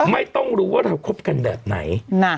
ไม่รู้ว่าเราคบกันแบบไหน